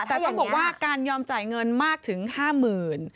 แต่ต้องบอกว่าการยอมจ่ายเงินมากถึง๕๐๐๐บาท